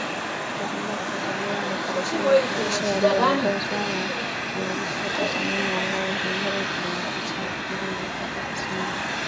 Baada ya kuzidiwa na oparesheni ya kijeshi yaliyoongozwa na wanajeshi wa Tanzania, Malawi, Jamhuri ya Kidemokrasia ya Kongo na Afrika kusini